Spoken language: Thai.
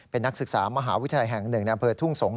เป็นนักศึกษามหาวิทยาลัยแห่ง๑ในอำเภอทุ่งสงศ